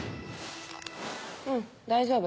うん大丈夫